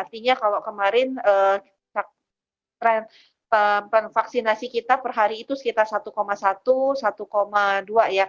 artinya kalau kemarin tren vaksinasi kita per hari itu sekitar satu satu dua ya